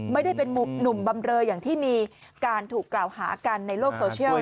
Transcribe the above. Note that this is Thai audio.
ไม่ได้เป็นหนุ่มบำเรออย่างที่มีการถูกกล่าวหากันในโลกโซเชียล